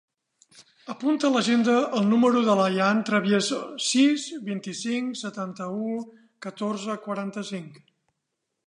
Apunta a l'agenda el número de l'Ayaan Travieso: sis, vint-i-cinc, setanta-u, catorze, quaranta-cinc.